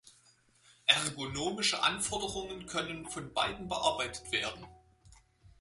Ergonomische Anforderungen können von beiden bearbeitet werden.